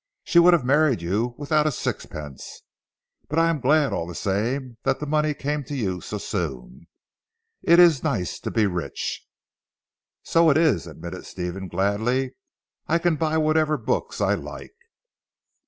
"She would have married you without a sixpence. But I am glad all the same that the money came to you so soon. It is nice to be rich." "So it is," admitted Stephen gladly. "I can buy whatever books I like."